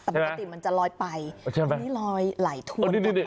ใช่ไหมแต่ปกติมันจะลอยไปใช่ไหมนี่ลอยไหลถวนนี่นี่นี่